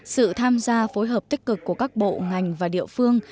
sự tham gia phối hợp tích cực của các bộ ngành và địa phương